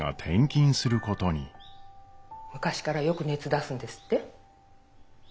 昔からよく熱出すんですって？